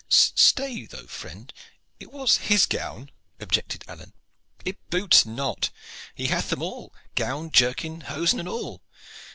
"Stay though, my friend, it was his gown," objected Alleyne. "It boots not. He hath them all gown, jerkin, hosen and all.